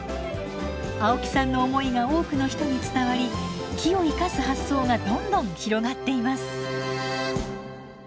青木さんの思いが多くの人に伝わり木を生かす発想がどんどん広がっています。